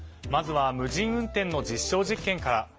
まずは無人運転の実証実験から。